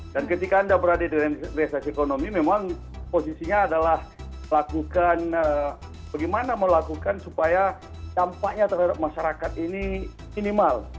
dan ketika anda berada di ambang resesi ekonomi memang posisinya adalah bagaimana melakukan supaya tampaknya terhadap masyarakat ini minimal